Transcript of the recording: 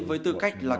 với tư cách là